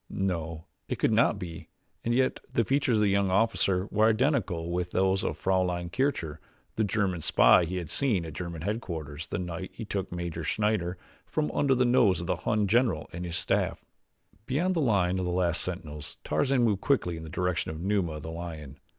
No, it could not be and yet the features of the young officer were identical with those of Fraulein Kircher, the German spy he had seen at German headquarters the night he took Major Schneider from under the nose of the Hun general and his staff. Beyond the last line of sentinels Tarzan moved quickly in the direction of Numa, the lion.